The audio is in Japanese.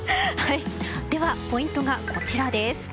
ではポイントがこちら。